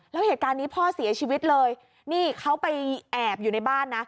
แล้วเหตุการณ์นี้พ่อเสียชีวิตเลยนี่เขาไปแอบอยู่ในบ้านนะ